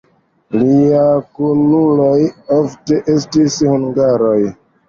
Liaj kunuloj ofte estis hungaroj.